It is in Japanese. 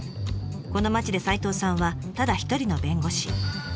この町で齋藤さんはただ一人の弁護士。